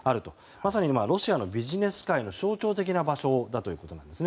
まさにロシアのビジネス界の象徴的な場所だということです。